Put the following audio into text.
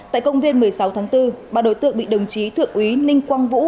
tại công viên một mươi sáu h nguyễn văn văn văn bà đối tượng bị đồng chí thượng úy ninh quang vũ